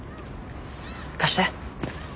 貸して。